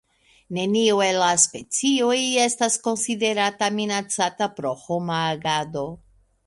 Neniu el la specioj estas konsiderata minacata pro homa agado.